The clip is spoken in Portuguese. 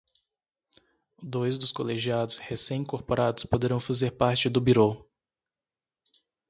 Dois dos colegiados recém-incorporados poderão fazer parte do Bureau.